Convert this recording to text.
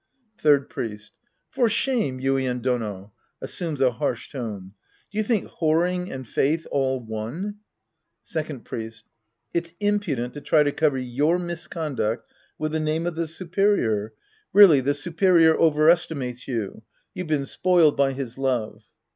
Third Priest. For shame, Yuien Done ! {Assumes a harsh tone.) Do you think whoring and faith all one ? Second Priest. It's impudent to try to cover your misconduct with the name of the superior. Really, the superior overestimates you. You've been spoiled by his love.